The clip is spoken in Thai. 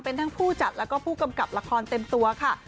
เป็นทั้งผู้จัดแล้วก็ผู้กำกับละครเต็มตัวค่ะ